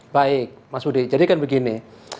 baik mas budi jadi kan begini